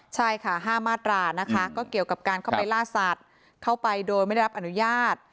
ใช่ค่ะ๕มาตรานะคะก็เกี่ยวกับการเข้าไปล่าสัตว์เข้าไปโดยไม่ได้รับอนุญาต